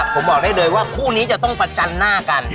ผมบอกได้เลยว่าคู่นี้จะต้องประจันหน้ากัน